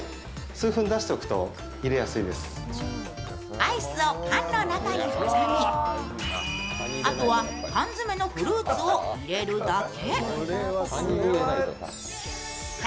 アイスをパンの中に挟み、あとは缶詰のフルーツを入れるだけ。